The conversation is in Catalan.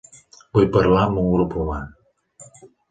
Vull parlar amb un grup humà.